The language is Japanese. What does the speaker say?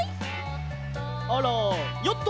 あらヨット！